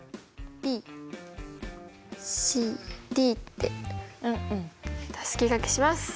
ａｂｃｄってたすきがけします。